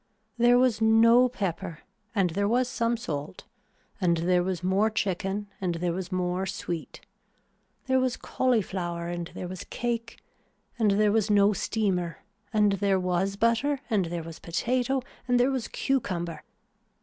There was no pepper and there was some salt and there was more chicken and there was more sweet. There was cauliflower and there was cake and there was no steamer and there was butter and there was potato and there was cucumber.